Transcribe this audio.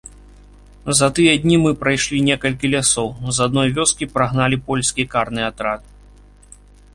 За тыя дні мы прайшлі некалькі лясоў, з адной вёскі прагналі польскі карны атрад.